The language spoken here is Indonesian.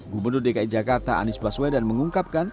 gubernur dki jakarta anies baswedan mengungkapkan